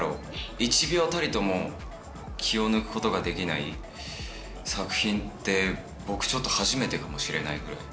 １秒たりとも気を抜くことができない作品って僕ちょっと初めてかもしれないぐらい。